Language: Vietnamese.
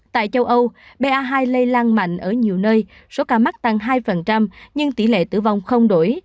tại châu âu ba hai lây lan mạnh ở nhiều nơi số ca mắc tăng hai nhưng tỷ lệ tử vong không đổi